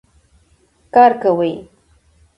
کار کوي.